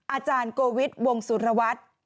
อาจารย์โกวิทย์วงสุรวัตร